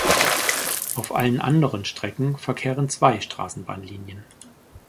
Auf allen anderen Strecken verkehren zwei Straßenbahnlinien.